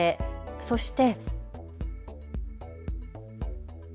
そして。